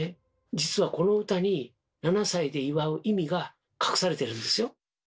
実はこの歌に７歳で祝う意味が隠されてるんですよ。